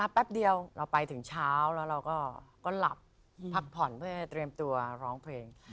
แป๊บเดียวเราไปถึงเช้าแล้วเราก็หลับพักผ่อนเพื่อเตรียมตัวร้องเพลง